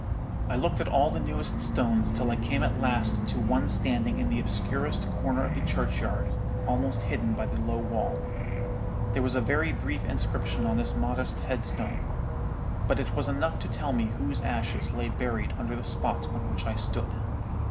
"I looked at all the newest stones till I came at last to one standing in the obscurest corner of the churchyard, almost hidden by the low wall. "There was a very brief inscription on this modest headstone; but it was enough to tell me whose ashes lay buried under the spot on which I stood.